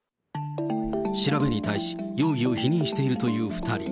調べに対し、容疑を否認しているという２人。